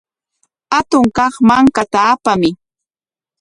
Hatun kaq mankata apamuy.